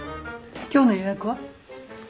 今日の予約は？